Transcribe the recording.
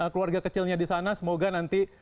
keluarga kecilnya di sana semoga nanti